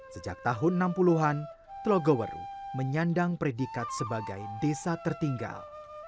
sejak tahun enam puluh an telogoweru menyandang predikat sebagai desa tertinggal